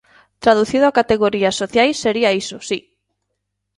Traducido a categorías sociais sería iso, si.